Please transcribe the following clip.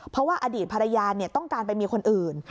เพราะว่าอดีตภรรยาต้องการไปมีคนอื่น